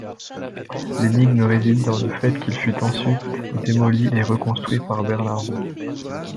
L’énigme réside dans le fait qu’il fut ensuite démoli et reconstruit par Bernardo.